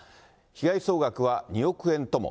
被害総額は２億円とも。